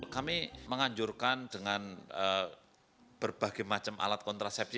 kami menganjurkan dengan berbagai macam alat kontrasepsi